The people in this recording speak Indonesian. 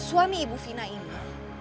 suami ibu fina ini